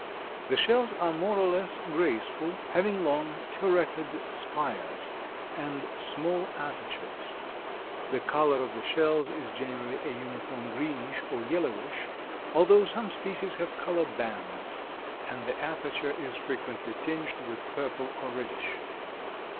The shells are more or less graceful, having long, turreted spires and small apertures. The color of the shells is generally a uniform greenish or yellowish, although some species have color bands, and the aperture is frequently tinged with purple or reddish.